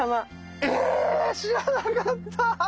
え⁉知らなかった。